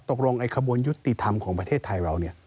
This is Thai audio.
ตกลงไอ้ขบวนยุติธรรมของประเทศไทยเรา